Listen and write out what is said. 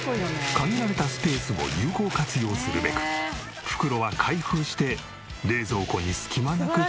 限られたスペースを有効活用するべく袋は開封して冷蔵庫に隙間なく詰め込む。